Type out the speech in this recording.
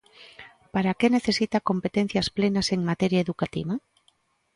Para que necesita competencias plenas en materia educativa?